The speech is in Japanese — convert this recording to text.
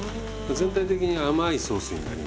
全体的に甘いソースになります。